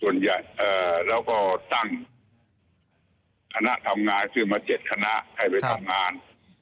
แล้วก็ตั้งธนาธนาคือมา๗ธนาคมให้ไปทำงาน